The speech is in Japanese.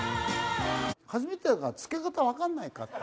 初めてだからつけ方わかんなかった。